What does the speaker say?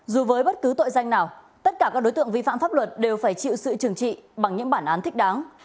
dù với bất cứ tội danh nào tất cả các đối tượng vi phạm pháp luật đều phải chịu sự trừng trị bằng những bản án thích đáng